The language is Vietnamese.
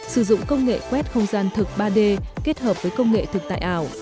sử dụng công nghệ quét không gian thực ba d kết hợp với công nghệ thực tại ảo